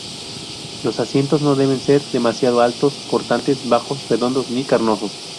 Los asientos no deben ser demasiado altos, cortantes, bajos, redondos ni carnosos.